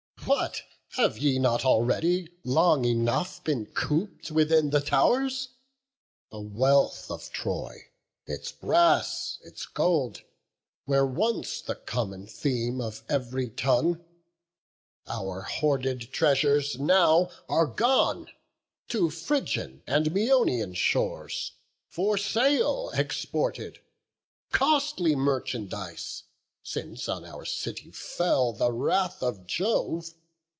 What? have ye not already long enough Been coop'd within the tow'rs? the wealth of Troy, Its brass, its gold, were once the common theme Of ev'ry tongue; our hoarded treasures now Are gone, to Phrygian and Maeonian shores For sale exported, costly merchandise, Since on our city fell the wrath of Jove.